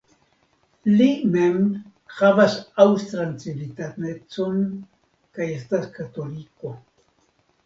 Li mem havas aŭstran civitanecon kaj estas katoliko.